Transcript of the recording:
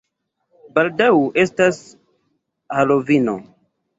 Baldaŭ estas Halovino.